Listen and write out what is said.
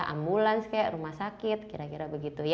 ambulans rumah sakit kira kira begitu